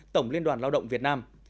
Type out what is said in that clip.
tổng liên đoàn lao động việt nam